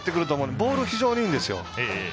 ボールは非常にいいんですよ。